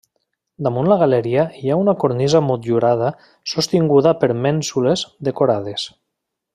Damunt la galeria hi ha una cornisa motllurada sostinguda per mènsules decorades.